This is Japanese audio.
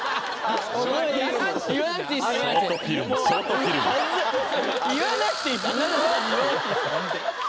言わなくていいっす。